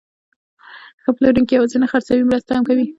ښه پلورونکی یوازې نه خرڅوي، مرسته هم کوي.